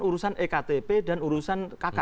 urusan ektp dan urusan kk